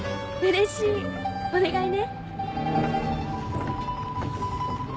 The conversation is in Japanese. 嬉しいお願いね。